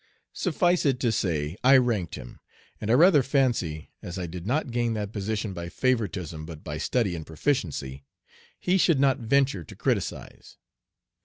Suffice it to say I ranked him, and I rather fancy, as I did not gain that position by favoritism, but by study and proficiency, he should not venture to criticise.